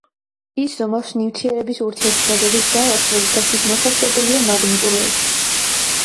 ის ზომავს ნივთიერების ურთიერთქმედების ძალას როდესაც ის მოთავსებულია მაგნიტურ ველში.